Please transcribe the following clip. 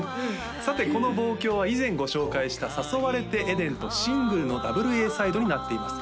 さてこの「望郷」は以前ご紹介した「誘われてエデン」とシングルのダブルＡサイドになっています